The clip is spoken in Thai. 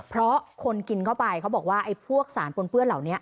เพราะคนกินเข้าไปเขาบอกว่าไอ้พวกสารปนเปื้อนเหล่านี้